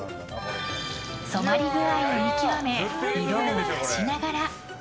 染まり具合を見極め色を足しながら。